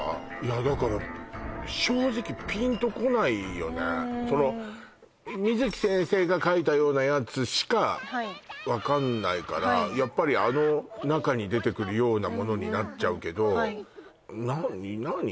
だから水木先生が描いたようなやつしかわかんないからやっぱりあの中に出てくるようなものになっちゃうけど何？